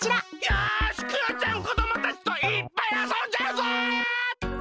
よしクヨちゃんこどもたちといっぱいあそんじゃうぞ！